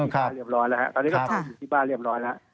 ตอนนี้ก็อยู่ที่บ้านเรียบร้อยล่ะครับ